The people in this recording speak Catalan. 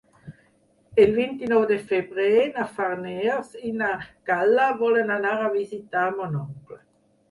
El vint-i-nou de febrer na Farners i na Gal·la volen anar a visitar mon oncle.